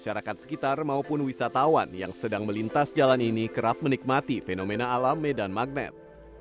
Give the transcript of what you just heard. masyarakat sekitar maupun wisatawan yang sedang melintas jalan ini kerap menikmati fenomena alam medan magnet